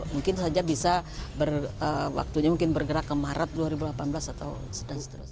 mungkin saja bisa bergerak ke maret dua ribu delapan belas atau sedang seterusnya